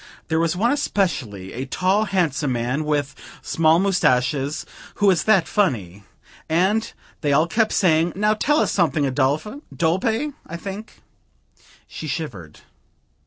There was one especially, a tall handsome man with small moustaches, who was that funny! And they all kept saying, 'Now tell us something, Adolphe Dolpe,' I think." She shivered.